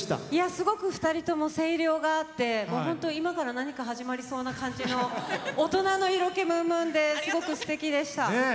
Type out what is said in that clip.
すごく２人とも声量があって本当、今から何か始まりそうな感じの大人の色気むんむんですごい、すてきでした。